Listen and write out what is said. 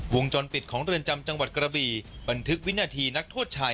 วงจรปิดของเรือนจำจังหวัดกระบี่บันทึกวินาทีนักโทษชาย